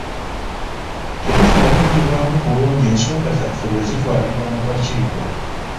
Tetufuna kuddibwamu kulungi ensonga zaffe bwe zitwalibwa mu kakiiko.